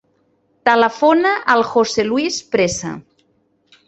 Telefona al José luis Presa.